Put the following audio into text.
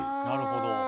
なるほど。